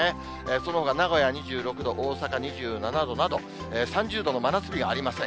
そのほか名古屋２６度、大阪２７度など、３０度の真夏日がありません。